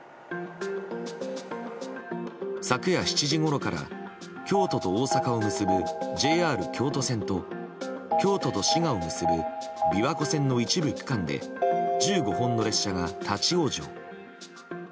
昨夜７時ごろから京都と大阪を結ぶＪＲ京都線と京都と滋賀を結ぶ琵琶湖線の一部区間で１５本の列車が立ち往生。